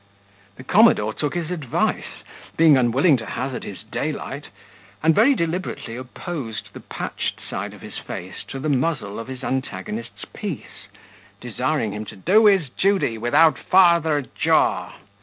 The commodore took his advice, being unwilling to hazard his daylight, and very deliberately opposed the patched side of his face to the muzzle of his antagonist's piece, desiring him to do his duty without farther jaw.